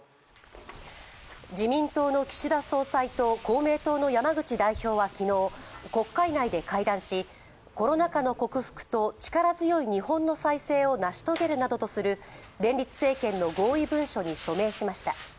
自民党の岸田総裁と公明党の山口代表は昨日国会内で会談し、コロナ禍の克服と力強い日本の再生を成し遂げるなどとする連立政権の合意文書に署名しました。